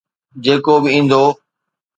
جيڪو به ايندو.